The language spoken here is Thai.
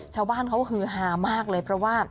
ชาวบ้านเขาฮือหามากเลย